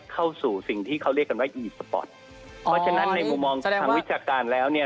เข้าสู่สิ่งที่เขาเรียกกันว่าอียิปสปอร์ตเพราะฉะนั้นในมุมมองทางวิชาการแล้วเนี่ย